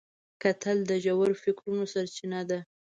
کتل د ژور فکرونو سرچینه ده